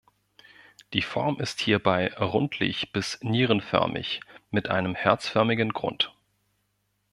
Die Form ist hierbei rundlich bis nierenförmig mit einem herzförmigen Grund.